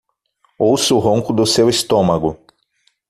Ouça o ronco do seu estômago